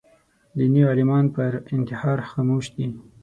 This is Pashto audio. دیني عالمان پر انتحار خاموش دي